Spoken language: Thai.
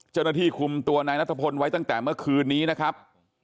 ใจนาธิคุมตัวในนทธพนต์ไว้ตั้งแต่เมื่อคืนนี้นะครับ